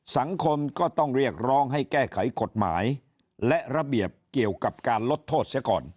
สังคมก็ต้องเรียกร้องให้แก้ไขกฎหมายและระเบียบเกี่ยวกับการลดโทษเสียก่อน